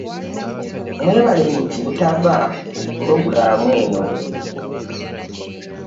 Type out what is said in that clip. Mwebale butava ku pulogulaamu eno.